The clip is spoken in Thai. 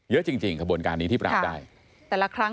เยอะจริงกระบวนการนี้ที่ปรากฎได้